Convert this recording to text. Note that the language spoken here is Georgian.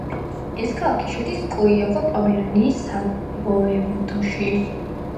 ეს ქალაქი შედის კუიავო-პომერანიის სავოევოდოში.